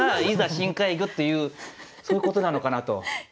「深海魚」というそういうことなのかなと。